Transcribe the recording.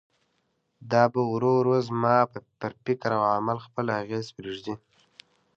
دا به ورو ورو زما پر فکر او عمل خپل اغېز پرېږدي.